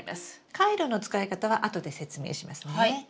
カイロの使い方は後で説明しますね。